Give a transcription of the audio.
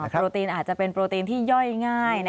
โปรตีนอาจจะเป็นโปรตีนที่ย่อยง่าย